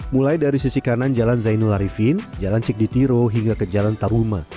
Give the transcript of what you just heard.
mulai dari sisi kanan jalan zainul arifin jalan cikditiro hingga ke jalan taruma